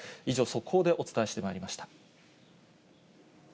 以上、速報でお伝えしてまいりました。